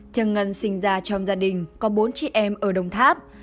thiêng ngân sinh ra trong gia đình có bốn chị em ở đông tháp